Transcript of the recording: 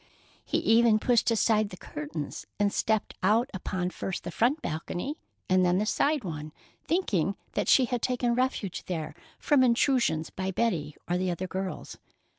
He even pushed aside the curtains and stepped out upon first the front balcony and then the side one, thinking that she had taken refuge there from intrusion by Betty or the other girls.